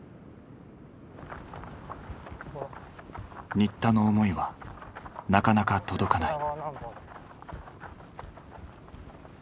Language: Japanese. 新田の思いはなかなか届かない。